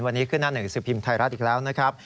วันนี้ขึ้นหน้าหนึ่งสิบพิมพ์ไทยรัฐอีกแล้วนะครับ